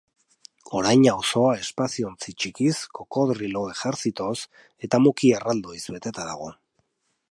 Orain auzoa espaziontzi txikiz, kokodrilo ejertzitoz eta muki erraldoiz beteta dago.